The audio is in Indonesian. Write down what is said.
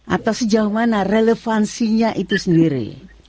atau sejauh mana relevansinya itu sendiri